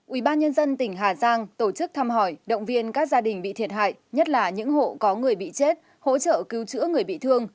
ubnd tỉnh hà giang tổ chức thăm hỏi động viên các gia đình bị thiệt hại nhất là những hộ có người bị chết hỗ trợ cứu chữa người bị thương